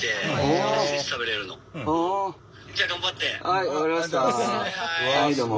はい分かりました。